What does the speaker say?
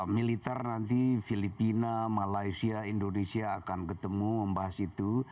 militer nanti filipina malaysia indonesia akan ketemu membahas itu